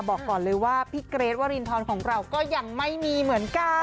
บอกก่อนเลยว่าพี่เกรทวรินทรของเราก็ยังไม่มีเหมือนกัน